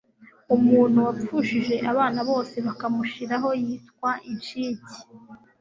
Umuntu wapfushije abana bose bakamushirahoytwa inshike